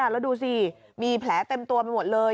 แล้วดูสิมีแผลเต็มตัวไปหมดเลย